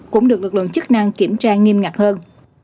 cũng được lực lượng chức năng kiểm tra nghiêm ngặt hơn